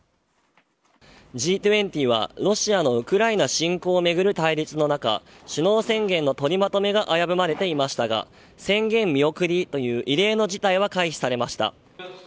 Ｇ２０はロシアのウクライナ侵攻をめぐる対立の中首脳宣言の取りまとめが危ぶまれていましたが宣言見送りという異例の事態は回避されました。